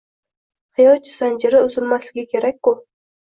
Hayot zanjiri uzulmasligi kerak-ku…